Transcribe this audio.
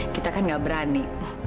kita kan gak berani